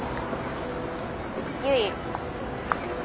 ゆい。